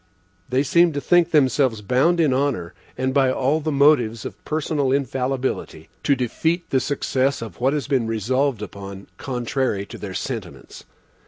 They seem to think themselves bound in honor, and by all the motives of personal infallibility, to defeat the success of what has been resolved upon contrary to their sentiments.